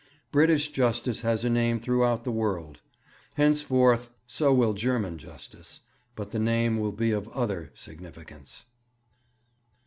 British justice has a name throughout the world. Henceforth, so will German justice, but the name will be of other significance.'